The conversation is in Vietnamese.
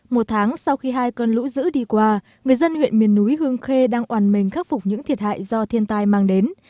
một tháng sau khi hai cơn lũ dữ đi qua người dân huyện miền núi hương khê đang oàn mình khắc phục những thiệt hại do thiên tai mang đến